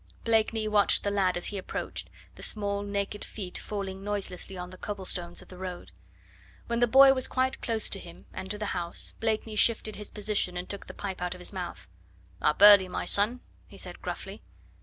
Blakeney watched the lad as he approached, the small, naked feet falling noiselessly on the cobblestones of the road. When the boy was quite close to him and to the house, Blakeney shifted his position and took the pipe out of his mouth. "Up early, my son!" he said gruffly.